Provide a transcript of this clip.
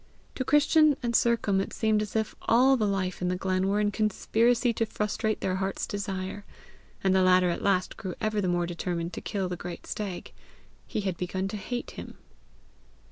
To Christian and Sercombe it seemed as if all the life in the glen were in conspiracy to frustrate their hearts' desire; and the latter at least grew ever the more determined to kill the great stag: he had begun to hate him.